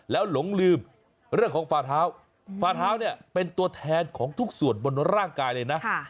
แล้วหลงลืมเรื่องของฝาเท้าฝาเท้าเนี่ยเป็นตัวแทนของทุกส่วนบนร่างกายเลยนะ